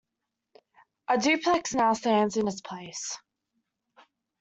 A duplex now stands in its place.